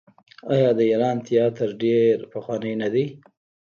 آیا د ایران تیاتر ډیر پخوانی نه دی؟